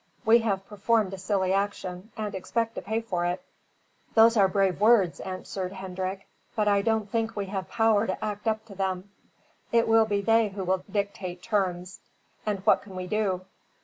We have performed a silly action, and expect to pay for it." "Those are brave words," answered Hendrik, "but I don't think we have power to act up to them. It will be they who will dictate terms; and what can we do?"